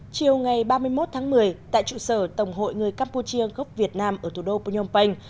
chiều ngày ba mươi một tháng một mươi tại trụ sở tổng hội người campuchia gốc việt nam ở thủ đô phnom penh